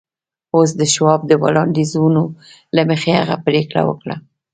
اوس د شواب د وړاندیزونو له مخې هغه پرېکړه وکړه